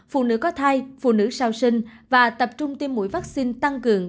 phụ nữ có thai phụ nữ sau sinh và tập trung tiêm mũi vaccine tăng cường